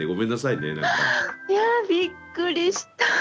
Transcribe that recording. いやあびっくりした。